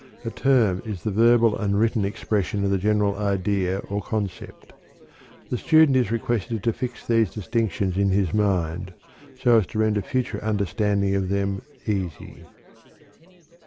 A "term" is the verbal and written expression of the general idea or concept. The student is requested to fix these distinctions in his mind, so as to render further understanding of them easy.